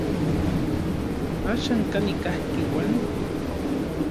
¿Axan kanin kajki Juan?